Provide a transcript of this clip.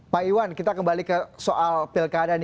pak iwan kita kembali ke soal pilkada ini